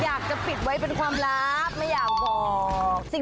อยากจะปิดไว้เป็นความลับไม่อยากบอก